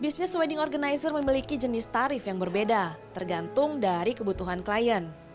bisnis wedding organizer memiliki jenis tarif yang berbeda tergantung dari kebutuhan klien